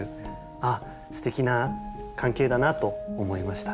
あすてきな関係だなと思いました。